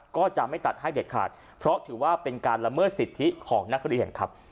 ก็จะไม่ตัดให้เด็ดขาดเพราะถือว่าเป็นการละเมิดสิทธิของนักเรียนครับ